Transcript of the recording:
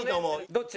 どっち？